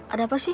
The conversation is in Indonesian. ada apa sih